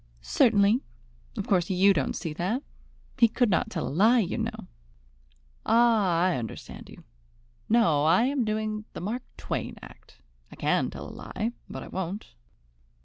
"Certainly. Of course you don't see that. He could not tell a lie, you know." "Ah, I understand you. No, I am doing the Mark Twain act. I can tell a lie, but I won't."